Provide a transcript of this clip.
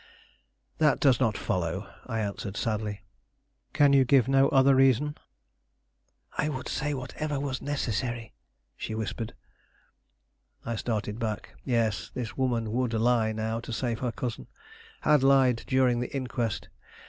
"That does not follow," I answered sadly. "Can you give no other reason?" "I would say whatever was necessary," she whispered. I started back. Yes, this woman would lie now to save her cousin; had lied during the inquest.